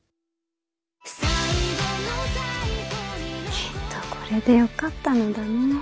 きっとこれでよかったのだの。